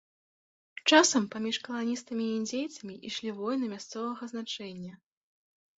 Часам паміж каланістамі і індзейцамі ішлі войны мясцовага значэння.